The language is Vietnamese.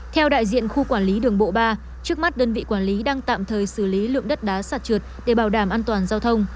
theo đại diện khu quản lý đường bộ ba trước mắt đơn vị quản lý đang tạm thời xử lý lượng đất đá sạt trượt để bảo đảm an toàn giao thông